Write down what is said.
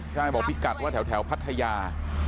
ใช่บอกพี่กัดว่าแถวพัทยา